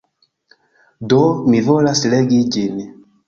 Do, mi volas legi ĝin!